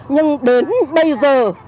nhưng đến bây giờ